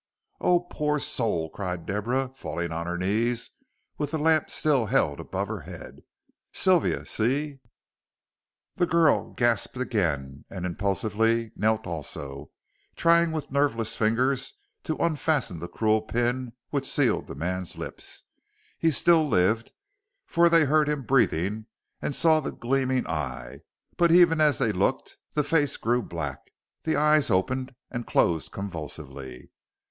"Oh, poor soul!" cried Deborah, falling on her knees with the lamp still held above her head. "Sylvia see " The girl gasped again, and impulsively knelt also, trying with nerveless fingers to unfasten the cruel pin which sealed the man's lips. He still lived, for they heard him breathing and saw the gleaming eye: but even as they looked the face grew black: the eye opened and closed convulsively.